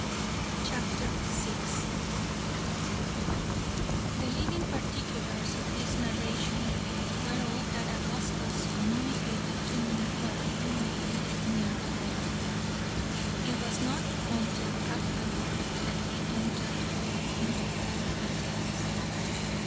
CHAPTER 6 The leading particulars of this narration were all that Augustus communicated to me while we remained near the box. It was not until afterward that he entered fully into all the details.